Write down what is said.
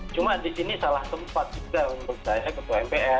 dalam pidato kenegaraan itu ini kan konvensi yang kita kita tahu